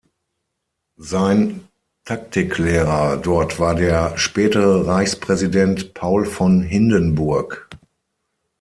Sein Taktiklehrer dort war der spätere Reichspräsident Paul von Hindenburg.